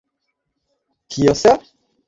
স্বাতন্ত্র্য কথাটার অর্থ হল যাকে ভাগ করা যায় না।